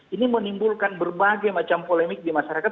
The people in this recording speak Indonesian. ini menimbulkan berbagai macam polemik di masyarakat